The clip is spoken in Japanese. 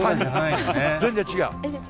全然違う。